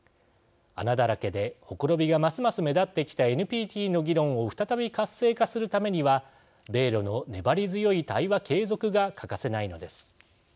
穴だらけで、ほころびがますます目立ってきたＮＰＴの議論を再び活性化するためには米ロの粘り強い対話継続が欠かせないのです。